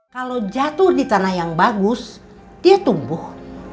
kalau jatuh di tanah yang bagus dia tumbuh